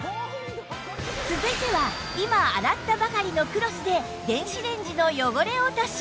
続いては今洗ったばかりのクロスで電子レンジの汚れ落とし